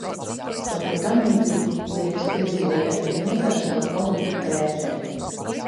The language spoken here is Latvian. "Kaut ko tamlīdzīgu, liekas, piedzīvoja arī Milda ar savu "palīgu" Pēteri."